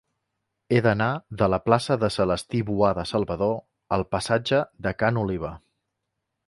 He d'anar de la plaça de Celestí Boada Salvador al passatge de Ca n'Oliva.